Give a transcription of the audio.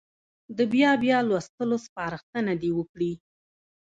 د بیا بیا لوستلو سپارښتنه دې وکړي.